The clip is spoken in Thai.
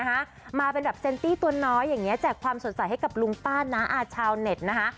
มาเป็นแบบเซนตี้ตัวน้อยอย่างเงี้แจกความสดใสให้กับลุงป้าน้าอาชาวเน็ตนะคะ